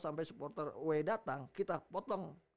sampai supporter uwe datang kita potong